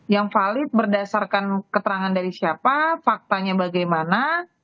yang valid berdasarkan keterangan dari siapa faktanya bagaimana